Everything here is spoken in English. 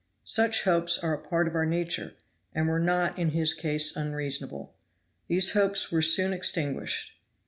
Such hopes are a part of our nature, and were not in his case unreasonable. These hopes were soon extinguished.